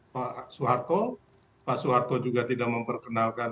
pak suharto pak suharto juga tidak memperkenalkan